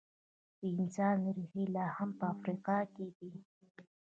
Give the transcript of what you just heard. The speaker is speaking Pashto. د انسان ریښې لا هم په افریقا کې دي.